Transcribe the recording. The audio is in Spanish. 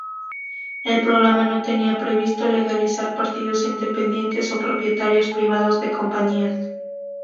El programa no tenía previsto legalizar partidos independientes o propietarios privados de compañías.